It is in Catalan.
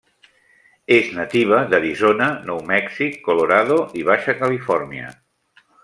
És nativa d'Arizona, Nou Mèxic, Colorado i Baixa Califòrnia.